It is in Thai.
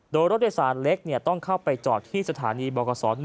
โดยรถโดยสารเล็กต้องเข้าไปจอดที่สถานีบกษ๑